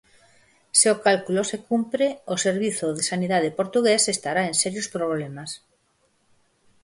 Se o cálculo se cumpre, o servizo de Sanidade portugués estará en serios problemas.